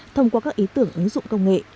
thông qua các ý tưởng ứng dụng công nghệ